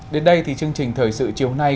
đến đây thì chương trình thời sự chiều nay